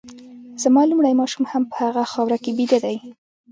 زما لومړی ماشوم هم په هغه خاوره کي بیده دی